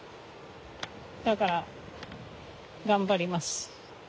だから頑張ります。